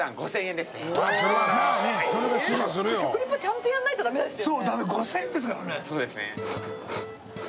５０００円ですからね。